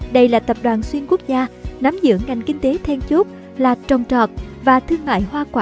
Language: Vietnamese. đây là tập đoàn xuyên quốc gia nắm giữ ngành kinh tế then chốt lạc trồng trọt và thương mại hoàn toàn